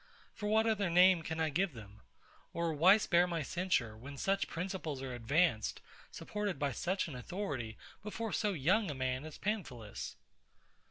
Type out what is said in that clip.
For what other name can I give them? or, why spare my censure, when such principles are advanced, supported by such an authority, before so young a man as PAMPHILUS?